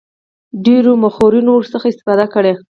ډیرو مورخینو ورڅخه استفاده کړې.